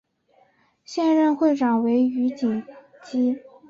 现任会长为余锦基。